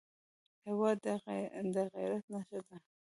هېواد د غیرت نښه ده.